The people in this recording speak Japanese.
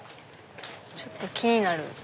ちょっと気になる。